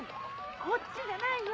こっちじゃないよ！